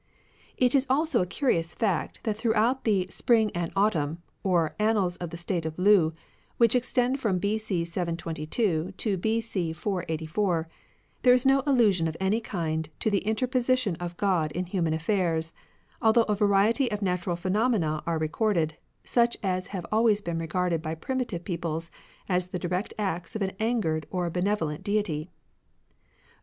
It is also a curious fact that throughout the Spring and Aviumn, or Annals of the State of Lu, which extend from B.C. 722 to B.C. 484, there is no allusion of any kind to the inter position of God in human affairs, although a variety of natural phenomena are recorded, such as have always been regarded by primitive peoples as the direct acts of an angered or benevo lent Deity.